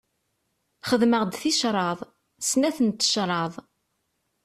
Xedmeɣ-d ticraḍ, snat n tecraḍ.